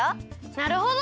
なるほど！